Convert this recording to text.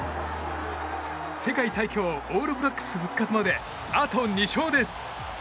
世界最強オールブラックス復活まであと２勝です。